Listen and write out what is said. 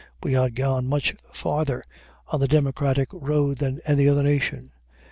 We had gone much farther on the democratic road than any other nation.